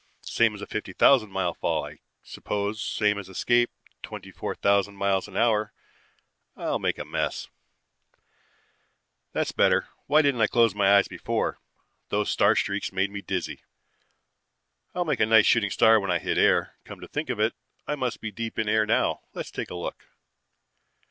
Same as a fifty thousand mile fall, I suppose; same as escape; twenty four thousand miles an hour. I'll make a mess ..."That's better. Why didn't I close my eyes before? Those star streaks made me dizzy. I'll make a nice shooting star when I hit air. Come to think of it, I must be deep in air now. Let's take a look.